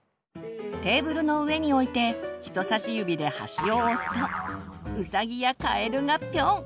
テーブルの上に置いて人さし指で端を押すとウサギやカエルがぴょん！